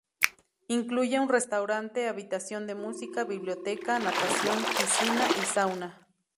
Incluye un restaurante, habitación de música, biblioteca, natación-piscina, y sauna.